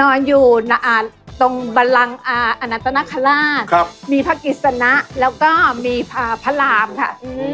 นอนอยู่ตรงบันลังอนัตนคราชมีพระกิจสนะแล้วก็มีพระรามค่ะ